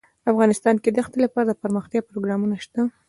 افغانستان کې د ښتې لپاره دپرمختیا پروګرامونه شته.